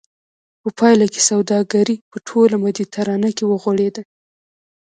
په پایله کې سوداګري په ټوله مدیترانه کې وغوړېده